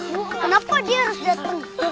kenapa dia harus datang